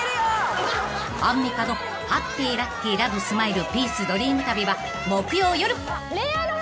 ［アンミカのハッピーラッキーラブスマイルピースドリーム旅は木曜夜］